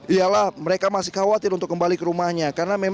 ialah mereka masih khawatir untuk kembali ke rumahnya